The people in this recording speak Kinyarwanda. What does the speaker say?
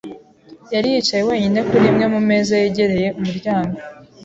yari yicaye wenyine kuri imwe mu meza yegereye umuryango.